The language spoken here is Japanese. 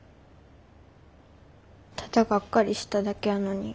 ただガッカリしただけやのに。